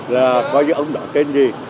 là có những ông đó tên gì